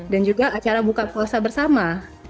dan juga acara buka puasa bersama